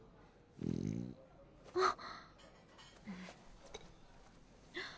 あっ。